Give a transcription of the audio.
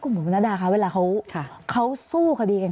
กลุ่มบุญพนัดาค่ะเวลาเขาสู้คดีกัน